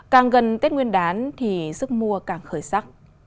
càng gần tết nguyên đán thì sức mua càng khởi sắc